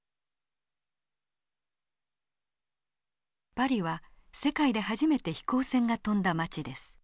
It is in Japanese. パリは世界で初めて飛行船が飛んだ街です。